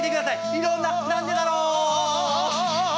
いろんな「なんでだろう」！